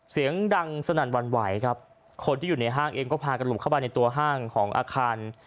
เสียงดังสนั่นหวั่นไหวครับคนที่อยู่ในห้างเองก็พากันหลบเข้าไปในตัวห้างของอาคาร